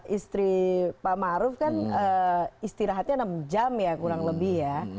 istri pak maruf kan istirahatnya enam jam ya kurang lebih ya